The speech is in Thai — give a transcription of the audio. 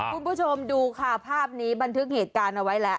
คุณผู้ชมดูค่ะภาพนี้บันทึกเหตุการณ์เอาไว้แหละ